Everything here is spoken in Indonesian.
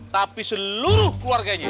tapi seluruh keluarganya